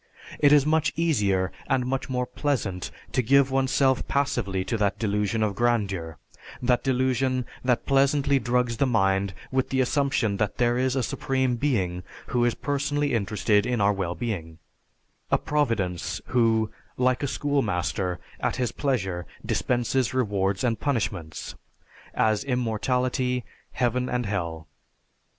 It is much easier and much more pleasant to give oneself passively to that delusion of grandeur, that delusion that pleasantly drugs the mind with the assumption that there is a supreme being who is personally interested in our well being; a providence who, like a school master, at his pleasure dispenses rewards and punishments; as immortality, Heaven and Hell.